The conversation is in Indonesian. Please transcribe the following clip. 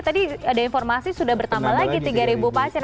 tadi ada informasi sudah bertambah lagi tiga pasien